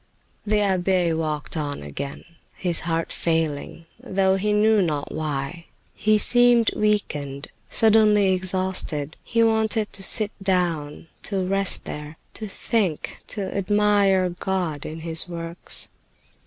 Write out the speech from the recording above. The abbe walked on again, his heart failing, though he knew not why. He seemed weakened, suddenly exhausted; he wanted to sit down, to rest there, to think, to admire God in His works.